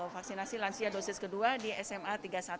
vaksinasi lansia dosis kedua di sma tiga puluh satu